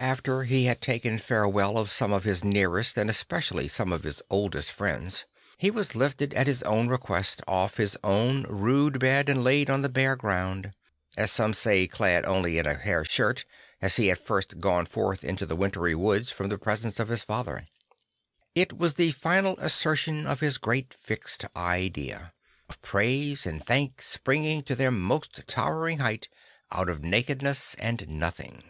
After he had taken farewell of some of his nearest and especially some of his oldest friends, he was lifted at his own request off his own rude bed and laid on the bare ground; as some say clad only in a hair shirt, as he had first gone forth into the wintry \voods from the presence of his father. I t was the final assertion of his great fixed idea; of praise and thanks springing to their most towering height out of nakedness and nothing.